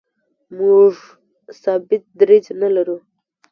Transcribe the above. موږ ثابت دریځ نه لرو.